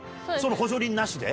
補助輪なしで？